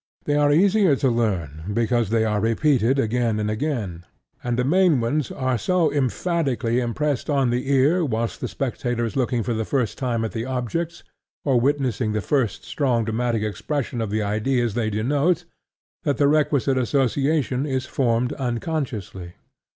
They are the easier to learn because they are repeated again and again; and the main ones are so emphatically impressed on the ear whilst the spectator is looking for the first time at the objects, or witnessing the first strong dramatic expression of the ideas they denote, that the requisite association is formed unconsciously.